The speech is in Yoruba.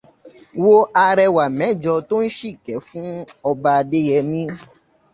Wo arẹwà mẹ́jọ̀ tó ń ṣìkẹ́ fún Ọba Adéyẹmí.